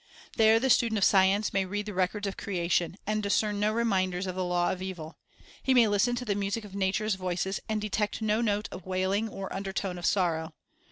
There the student of science may read the records of creation, and discern no reminders of the law of evil. He may listen to the music of nature's voices, and detect no note of wailing or undertone of sorrow.